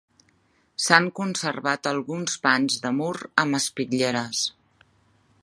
S'han conservat alguns panys de mur amb espitlleres.